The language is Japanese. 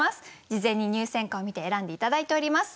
事前に入選歌を見て選んで頂いております。